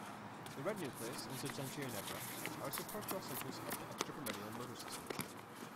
The red nucleus and substantia nigra are subcortical centers of the extrapyramidal motor system.